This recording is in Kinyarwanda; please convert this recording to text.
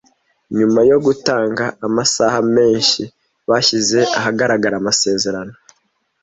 Nyuma yo gutanga amasaha menshi, bashyize ahagaragara amasezerano.